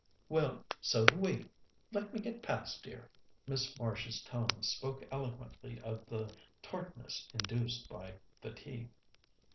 "Well, so do we. Let me get past, dear." Miss Marsh's tones spoke eloquently of the tartness induced by fatigue.